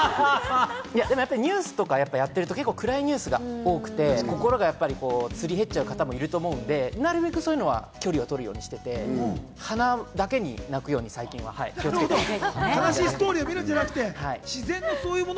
ニュースとかやってると暗いニュースが多くて、心がすり減っちゃう人がいると思うので、なるべくそういうのは距離をとるようにしていて、花だけで泣くように気をつけています。